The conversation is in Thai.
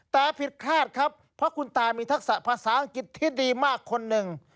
แต่ผิดพลาดครับเพราะคุณตามีทักษะภาษาอังกฤษที่ดีมากคนหนึ่ง